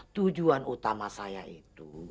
tujuan utama saya itu